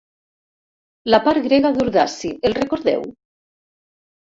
La part grega d'Urdaci, el recordeu?